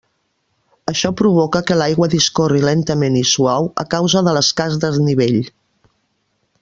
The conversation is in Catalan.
Això provoca que l'aigua discorri lentament i suau a causa de l'escàs desnivell.